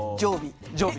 常備？